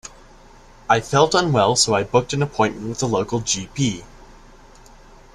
I felt unwell so I booked an appointment with the local G P.